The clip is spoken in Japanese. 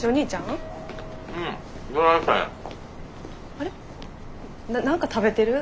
あれな何か食べてる？